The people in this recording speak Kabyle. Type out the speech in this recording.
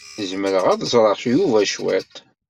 Zemreɣ ad ẓreɣ Yuba cwiṭ?